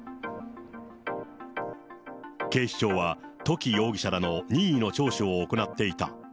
警視庁は、土岐容疑者らの任意の聴取を行っていた。